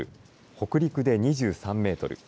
北陸で２３メートル